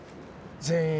全員。